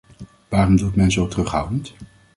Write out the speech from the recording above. Waarom doet men zo terughoudend?